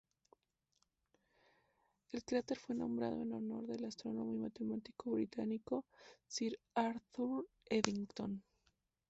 El cráter fue nombrado en honor del astrónomo y matemático británico Sir Arthur Eddington.